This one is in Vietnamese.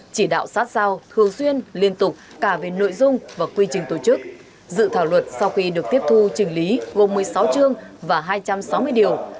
chỉ đạo sát sao thường xuyên liên tục cả về nội dung và quy trình tổ chức dự thảo luật sau khi được tiếp thu chỉnh lý gồm một mươi sáu chương và hai trăm sáu mươi điều